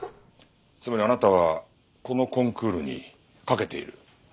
つまりあなたはこのコンクールに懸けている。